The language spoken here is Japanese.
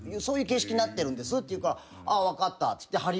そういう形式になってるんですって言うから分かったっつって。